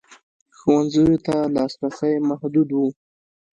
ښوونځیو ته لاسرسی محدود و.